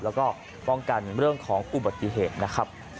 แล้วก็ป้องกันเรื่องของอุบัติเหตุนะครับ